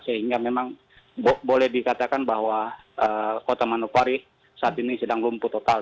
sehingga memang boleh dikatakan bahwa kota manokwari saat ini sedang lumpuh total